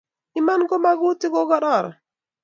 Iman ko magutik ko kikororon